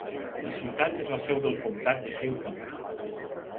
La ciutat és la seu del comtat de Hale County.